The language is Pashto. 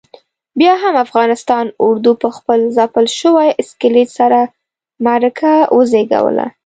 بیا هم افغانستان اردو پخپل ځپل شوي اسکلیت سره معرکه وزېږوله.